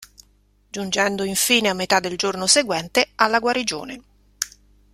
Giungendo infine, a metà del giorno seguente, alla guarnigione.